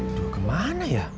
aduh kemana ya